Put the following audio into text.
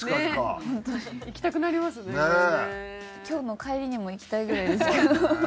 今日の帰りにも行きたいぐらいですけど。